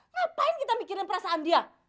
mengapa kita mikirkan perasaan dia